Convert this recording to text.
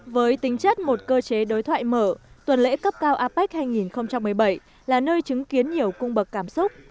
với tính chất một cơ chế đối thoại mở tuần lễ cấp cao apec hai nghìn một mươi bảy là nơi chứng kiến nhiều cung bậc cảm xúc